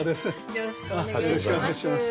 よろしくお願いします。